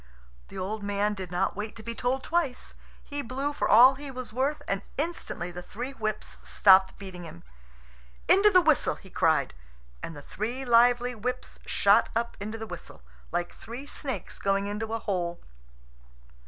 The old man did not wait to be told twice. He blew for all he was worth, and instantly the three whips stopped beating him. "Into the whistle!" he cried; and the three lively whips shot up into the whistle, like three snakes going into a hole.